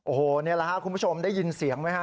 โอโหเนี่ยละค่ะคุณผู้ชมได้ยินเสียงมั้ยคะ